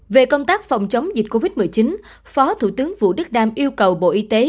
về công tác phòng chống dịch covid một mươi chín phó thủ tướng vũ đức đam yêu cầu bộ y tế